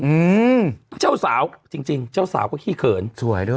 อืมเจ้าสาวจริงจริงเจ้าสาวก็ขี้เขินสวยด้วย